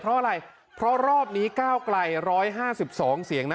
เพราะอะไรเพราะรอบนี้ก้าวไกลร้อยห้าสิบสองเสียงนะ